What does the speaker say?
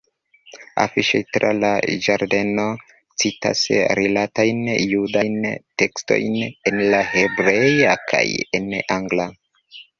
Afiŝoj tra la ĝardeno citas rilatajn judajn tekstojn en hebrea kaj en angla.